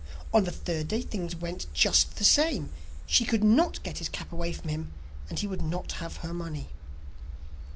On the third day things went just the same; she could not get his cap away from him, and he would not have her money.